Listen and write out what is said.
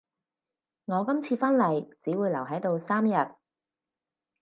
我今次返嚟只會留喺度三日